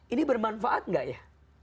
ini bermanfaat tidak ya